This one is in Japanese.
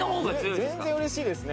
全然嬉しいですね